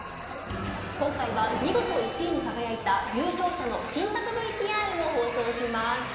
今回は見事１位に輝いた優勝者の新作ＶＴＲを放送します。